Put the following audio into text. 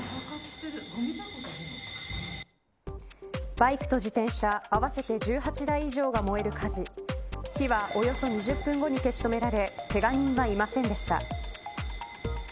バイクと自転車合わせて１８台以上が燃える火事火はおよそ２０分後に消し止められけが人はいませんでした。